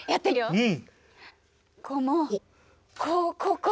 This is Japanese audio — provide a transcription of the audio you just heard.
うん？